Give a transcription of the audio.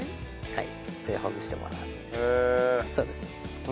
はい。